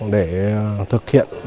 để thực hiện